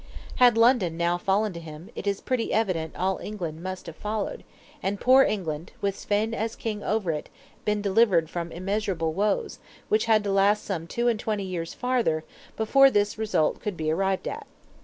Had London now fallen to him, it is pretty evident all England must have followed, and poor England, with Svein as king over it, been delivered from immeasurable woes, which had to last some two and twenty years farther, before this result could be arrived at.